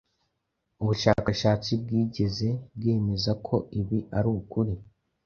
ubushakashatsi bwigeze bwemeza ko ibi ari ukuri,